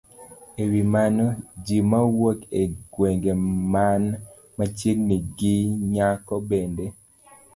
E wi mano, ji mawuok e gwenge man machiegni gi kanyo bende